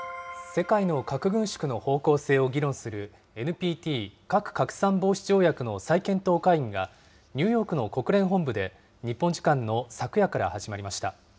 世界の核軍縮の方向性を議論する、ＮＰＴ・核拡散防止条約の再検討会議が、ニューヨークの国連本部で、日本時間の昨夜から始まりました。